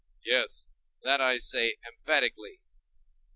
Yes, that I say emphatically.